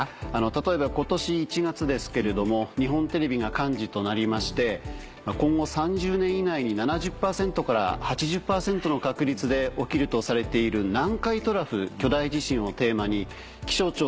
例えば今年１月ですけれども日本テレビが幹事となりまして今後３０年以内に７０％から８０％の確率で起きるとされている南海トラフ巨大地震をテーマに気象庁